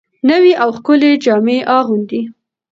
نوې او ښکلې جامې اغوندي